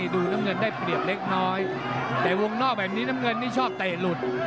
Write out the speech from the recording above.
ดูน้ำเงินได้เปรียบเล็กน้อยแต่วงนอกแบบนี้น้ำเงินนี่ชอบเตะหลุด